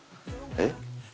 えっ？